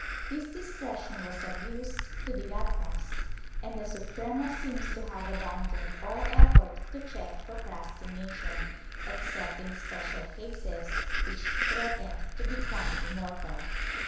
^ This discretion was abused to the utmost and the Suprema seems to have abandoned all effort to check procrastination, except in special cases which threatened to become immortal.